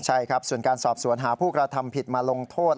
ใช่ครับส่วนการสอบสวนหาผู้กระทำผิดมาลงโทษ